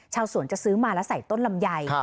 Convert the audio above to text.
ชาวสวนจะซื้อมาแล้วใส่ต้นลำไย